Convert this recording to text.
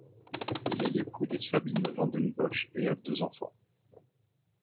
Il est l’époux de Sabine Vandenbosch et a deux enfants.